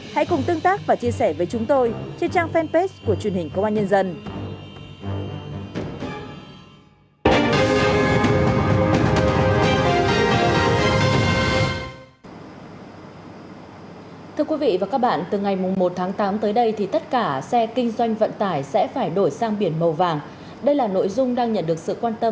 hãy cùng tương tác và chia sẻ với chúng tôi trên trang fanpage của truyền hình công an nhân dân